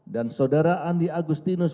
dan saudara andi agustinus